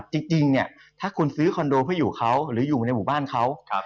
จริงเนี่ยถ้าคุณซื้อคอนโดเพื่ออยู่เขาหรืออยู่ในหมู่บ้านเขา